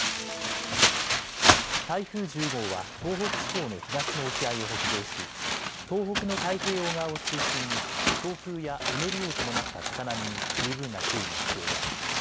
台風１０号は東北地方の東の沖合を北上し東北の太平洋側を中心に強風やうねりを伴った高波に十分な注意が必要です。